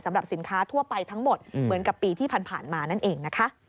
สำหรับสินค้าทั่วไปทั้งหมดเหมือนกับปีที่ผ่านมานั่นเอง